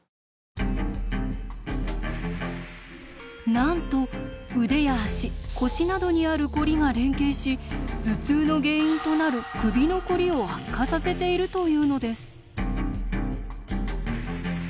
なんと腕や足腰などにあるコリが連携し頭痛の原因となる首のコリを悪化させているというのです。